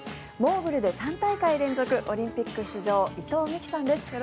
モーグルで３大会連続オリンピック出場伊藤みきさんです。